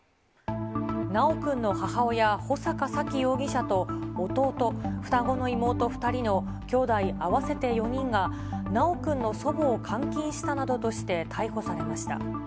修くんの母親、穂坂沙喜容疑者と、弟、双子の妹２人のきょうだい合わせて４人が修くんの祖母を監禁したなどとして逮捕されました。